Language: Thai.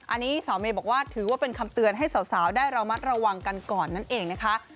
อันนี้สาวเมย์บอกว่าถือว่าเป็นคำเตือนให้สาวได้ระมัดระวังกันก่อนนั่นเองนะคะ